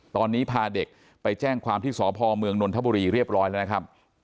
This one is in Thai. ตอนนี้พาเด็กไปแจ้งความที่สพเมืองนนทบุรีเรียบร้อยแล้วนะครับ